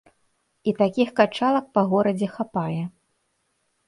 І такіх качалак па горадзе хапае.